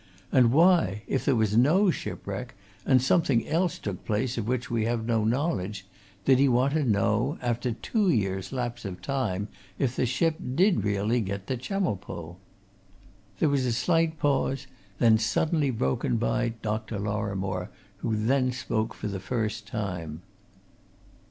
And why if there was no shipwreck, and something else took place of which we have no knowledge did he want to know, after two years' lapse of time, if the ship did really get to Chemulpo?" There was a slight pause then, suddenly broken by Dr. Lorrimore, who then spoke for the first time.